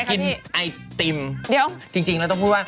เรื่องอะไรครับพี่